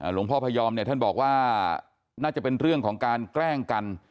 พยอมเนี่ยท่านบอกว่าน่าจะเป็นเรื่องของการแกล้งกัน